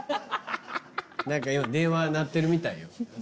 何か今電話鳴ってるみたいよ。